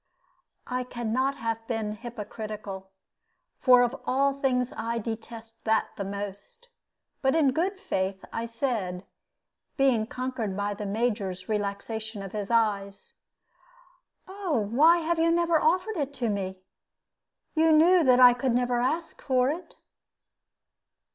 I can not have been hypocritical, for of all things I detest that most; but in good faith I said, being conquered by the Major's relaxation of his eyes, "Oh, why have you never offered it to me? You knew that I never could ask for it."